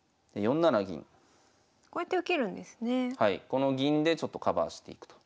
この銀でちょっとカバーしていくと。